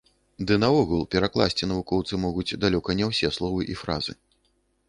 Ды наогул, перакласці навукоўцы могуць далёка не ўсе словы і фразы.